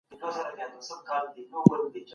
قوم چي تاریخ هېر کړي